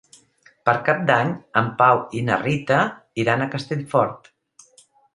Per Cap d'Any en Pau i na Rita iran a Castellfort.